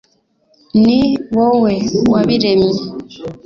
Ni wowe wabiremye